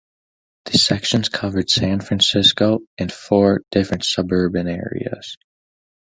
The sections covered San Francisco, and four different suburban areas.